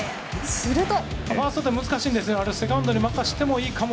すると。